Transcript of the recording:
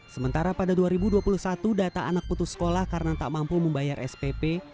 sementara pada dua ribu dua puluh satu data anak putus sekolah karena tak mampu membayar spp